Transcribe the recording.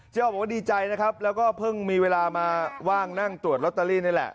บอกว่าดีใจนะครับแล้วก็เพิ่งมีเวลามาว่างนั่งตรวจลอตเตอรี่นี่แหละ